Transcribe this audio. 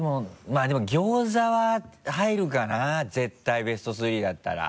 まぁでもギョーザは入るかな絶対ベスト３だったら。